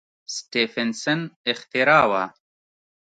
سټېفنسن اختراع وه.